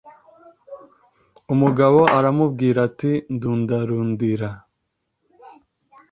Umugabo aramubwira ati: “Ndundarundira